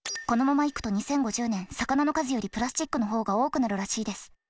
このままいくと２０５０年魚の数よりプラスチックの方が多くなるらしいです。